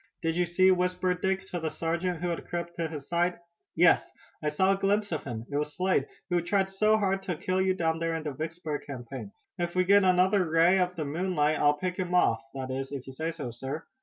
"Did you see?" whispered Dick to the sergeant who had crept to his side. "Yes, I caught a glimpse of him. It was Slade, who tried so hard to kill you down there in the Vicksburg campaign. If we get another ray of the moonlight I'll pick him off, that is if you say so, sir."